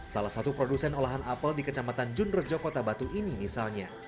salah satu produsen olahan apel di kecamatan junrejo kota batu ini misalnya